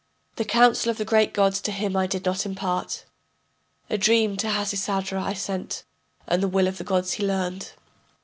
The counsel of the great gods to him I did not impart; A dream to Hasisadra I sent, and the will of the gods he learned.